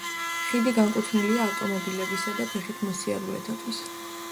ხიდი განკუთვნილია ავტომობილების და ფეხით მოსიარულეთათვის.